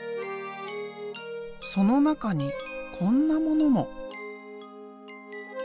その中にこんなものも。